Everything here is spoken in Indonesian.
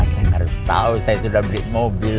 saya harus tahu saya sudah beli mobil